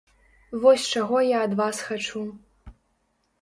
Вось чаго я ад вас хачу.